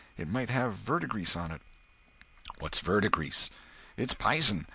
It might have verdigrease on it." "What's verdigrease?" "It's p'ison.